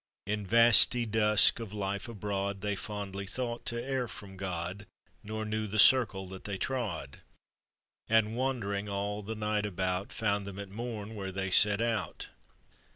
In vasty dusk of life abroad, They fondly thought to err from God, Nor knew the circle that they trod; And, wandering all the night about, Found them at morn where they set out.